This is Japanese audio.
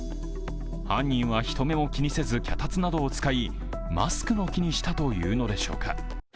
犯人は人目も気にせず脚立などを使い、マスクの木にしたというのでしょうか。